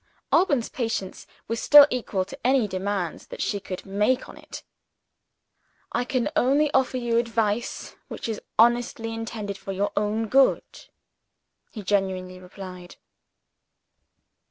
Alban's patience was still equal to any demands that she could make on it. "I can only offer you advice which is honestly intended for your own good," he gently replied.